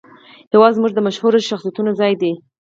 هېواد زموږ د مشهورو شخصیتونو ځای دی